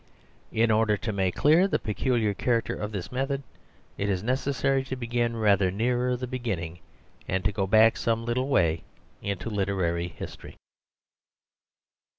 In order to make clear the peculiar character of this method, it is necessary to begin rather nearer the beginning, and to go back some little way in literary history.